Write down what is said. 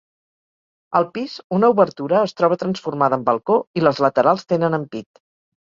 Al pis una obertura es troba transformada en balcó i les laterals tenen ampit.